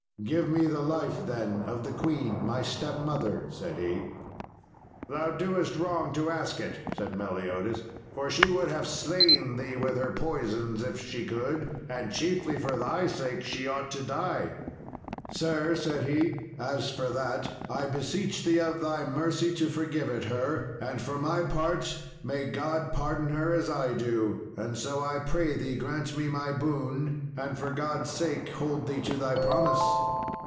"Give me the life, then, of the queen, my stepmother," said he. "Thou doest wrong to ask it," said Meliodas; "for she would have slain thee with her poisons if she could, and chiefly for thy sake she ought to die." "Sir," said he, "as for that, I beseech thee of thy mercy to forgive it her, and for my part may God pardon her as I do; and so I pray thee grant me my boon, and for God's sake hold thee to thy promise."